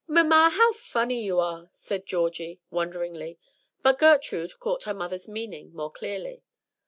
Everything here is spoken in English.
"Mamma, how funny you are," said Georgie, wonderingly; but Gertrude caught her mother's meaning more clearly.